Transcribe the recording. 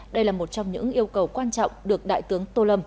đây là một trong những yêu cầu quan trọng được đại tướng tô lâm